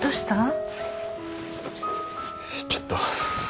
ちょっと。